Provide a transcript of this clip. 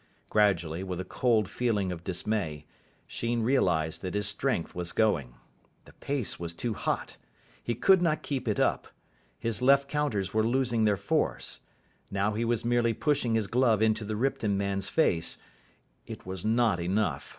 Gradually, with a cold feeling of dismay, Sheen realised that his strength was going. The pace was too hot. He could not keep it up. His left counters were losing their force. Now he was merely pushing his glove into the Ripton man's face. It was not enough.